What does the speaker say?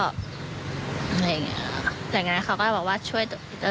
แบบนั้นเขาก็บอกว่าช่วย